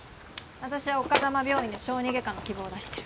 あたしは丘珠病院で小児外科の希望出してる。